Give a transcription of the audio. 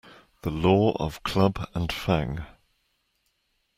The Law of Club and Fang